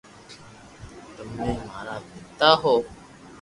تمي مارا پيتا ھون